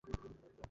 আমি আর কতভাবে বলব?